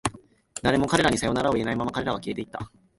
誰も彼らにさよならを言えないまま、彼らは消えていった。